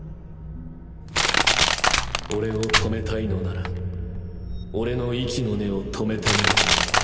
オレを止めたいのならオレの息の根を止めてみろ。